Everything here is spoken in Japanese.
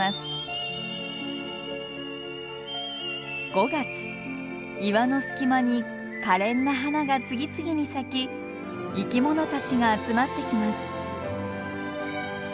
５月岩の隙間にかれんな花が次々に咲き生きものたちが集まってきます。